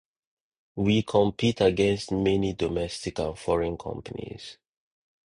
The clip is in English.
We compete against many domestic and foreign companies.